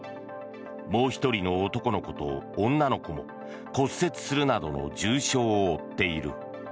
もう１人の男の子と女の子も骨折するなどの重傷を負っている。